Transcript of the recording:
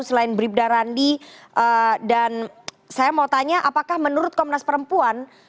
dan bribda randi dan saya mau tanya apakah menurut komnas perempuan